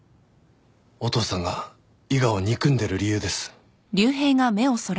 お父さんが伊賀を憎んでる理由です。